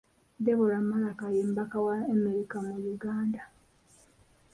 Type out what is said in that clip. Deborah Malac ye mubaka wa Amerika mu Uganda.